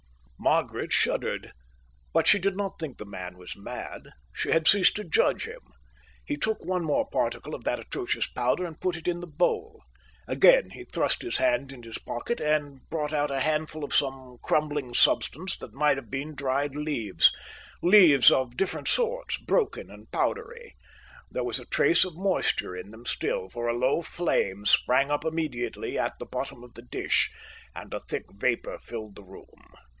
Margaret shuddered, but she did not think the man was mad. She had ceased to judge him. He took one more particle of that atrocious powder and put it in the bowl. Again he thrust his hand in his pocket and brought out a handful of some crumbling substance that might have been dried leaves, leaves of different sorts, broken and powdery. There was a trace of moisture in them still, for a low flame sprang up immediately at the bottom of the dish, and a thick vapour filled the room.